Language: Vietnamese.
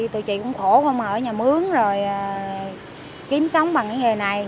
tụi chị cũng khổ không mà ở nhà mướn rồi kiếm sống bằng cái nghề này